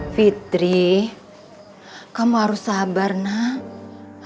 fitri kamu harus sabar nak